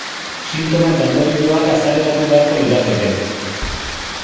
Sintoma eta ondorioak azaleratu beharko lirateke.